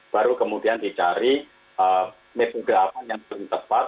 baru kemudian dicari metode apa yang paling tepat